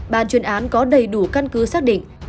bàn chuyên án có đầy đủ căn cứ xác định